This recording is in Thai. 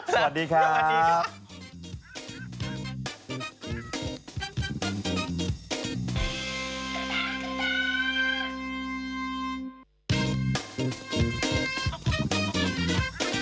สวัสดีครับ